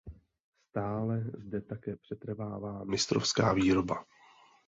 Stále zde také přetrvává mistrovská výroba.